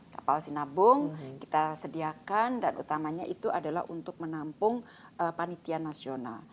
kapal sinabung kita sediakan dan utamanya itu adalah untuk menampung panitian nasional